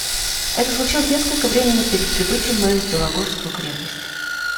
Это случилось несколько времени перед прибытием моим в Белогорскую крепость.